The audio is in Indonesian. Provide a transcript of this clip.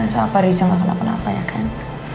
sama riza nggak kena kenapa kenapa ya kan